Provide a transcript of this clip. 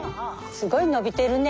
すごい伸びてるね。